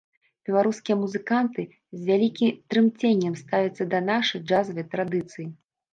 Беларускія музыканты з вялікі трымценнем ставяцца да нашай джазавай традыцыі.